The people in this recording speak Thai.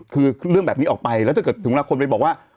คือเรื่องแบบนี้ออกไปแล้วถ้าเกิดถึงเวลาคนไปบอกว่า